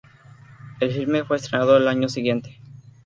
El filme fue estrenado al año siguiente.